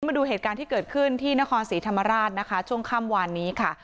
มาดูเหตุการณ์ที่เกิดขึ้นที่นครศรีธรรมราชนะคะช่วงค่ำวานนี้ค่ะ